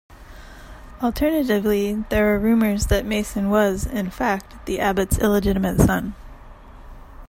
Alternatively, there are rumours that Mason was, in fact, the abbot's illegitimate son.